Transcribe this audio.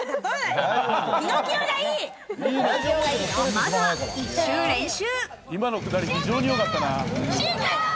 まずは１周練習。